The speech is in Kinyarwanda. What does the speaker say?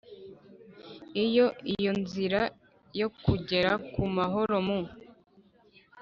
Iyo iyonzira yo kujyera ku mahoro mu